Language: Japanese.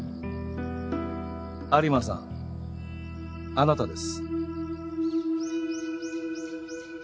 有馬さんあなたです。